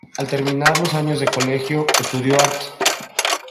Al terminar los años de colegio estudió arte.